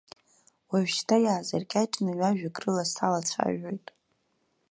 Уажәшьҭа иаазыркьаҿны ҩажәак рыла салацәажәоит.